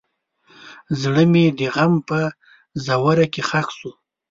زړه مې د غم په ژوره کې ښخ شو.